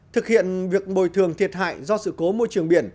thực hiện việc bồi thường thiệt hại do sự cố môi trường biển